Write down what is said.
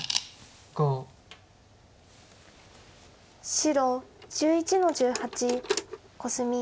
白１１の十八コスミ。